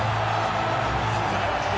素晴らしい。